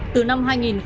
từ năm hai nghìn tám